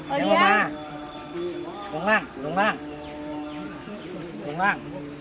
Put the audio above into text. โอเลี่ยงลงมาลงมาลงมาลงมา